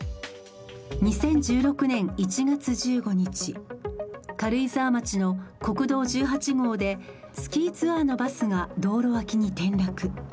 ２０１６年１月１５日、軽井沢町の国道１８号でスキーツアーのバスが道路脇に転落。